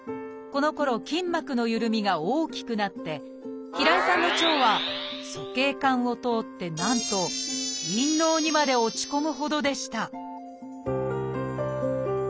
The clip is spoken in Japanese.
このころ筋膜のゆるみが大きくなって平井さんの腸は鼠径管を通ってなんと陰嚢にまで落ち込むほどでした